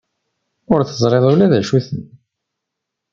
Ur teẓriḍ ula d acu-ten.